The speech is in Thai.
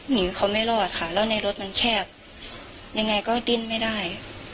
หนีเขาไม่รอดค่ะแล้วในรถมันแคบยังไงก็ดิ้นไม่ได้